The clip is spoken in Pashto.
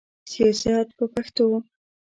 سیاست په پښتو.